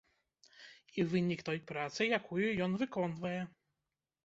І вынік той працы, якую ён выконвае.